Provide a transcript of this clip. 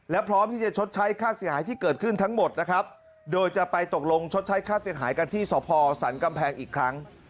และพร้อมที่จะชดใช้ค่าเสียหายที่เกิดขึ้นทั้งหมดนะครับโดยจะไปตกลงชดใช้ค่าเสียหายกันที่สพสันกำแพงอีกครั้ง